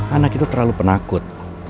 anak itu terlalu penakut